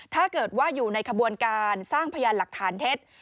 ถ้าเกิดว่าอยู่ในขบวนการสร้างพยานหลักฐานเท็จ